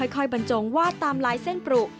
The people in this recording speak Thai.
ค่อยบรรจงวาดตามลายเส้นปลูก